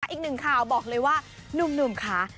อีกหนึ่งข่าวบอกเลยว่านุ่มค่ะ